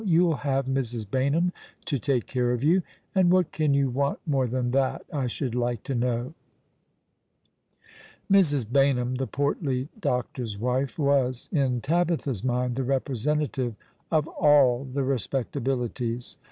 You'll have Mrs. Baynham to take care of you, and what can you want more than that, I should like to know ?" Mrs. Baynham, the portly doctor's wife, was, in Tabitha's mind, the representative of all the respectabilities.